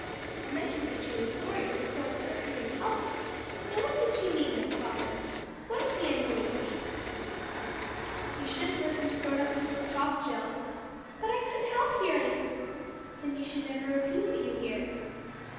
And then she said she was sorry for poor Sir Henry Talbot. Now what did she mean, Miss Falkner? What is the end going to be?" "You shouldn't listen to grown up people's talk, Jill." "But I couldn't help hearing." "Then you should never repeat what you hear."